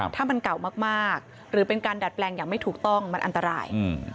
ถ้ามันเก่ามากหรือเป็นการดัดแปลงอย่างไม่ถูกต้องมันอันตราย